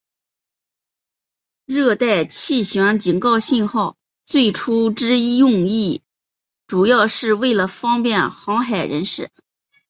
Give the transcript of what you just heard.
热带气旋警告信号最初之用意主要是为了方便航海人士。